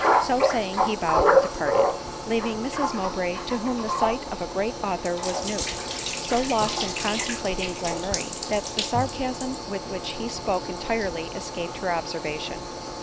27 So saying, he bowed and departed, leaving Mrs Mow bray, to whom the sight of a great author was new, so lost in contemplating Glenmurray, that the sarcasm with which he spoke entirely escaped her observation.